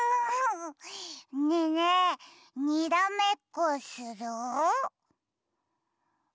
ねえねえにらめっこする？